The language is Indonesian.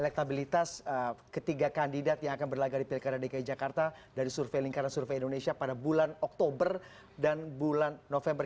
elektabilitas ketiga kandidat yang akan berlagak di pilkada dki jakarta dari survei lingkaran survei indonesia pada bulan oktober dan bulan november